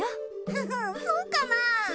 フフそうかな。